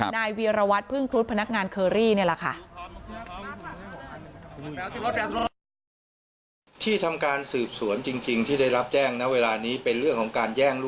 นายเวียรวัตรพึ่งครุฑพนักงานเคอรี่นี่แหละค่ะ